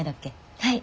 はい。